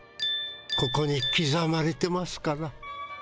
ここにきざまれてますから。